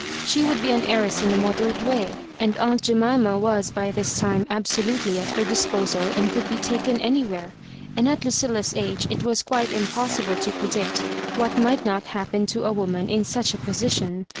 She would be an heiress in a moderate way, and aunt Jemima was by this time absolutely at her dis posal, and could be taken anywhere; and at Lucilla's age it was quite impossible to predict what might not happen to a woman in such a position.